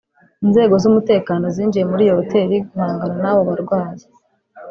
Inzego z’umutekano zinjiye muri iyo hoteli guhangana n’abo barwanyi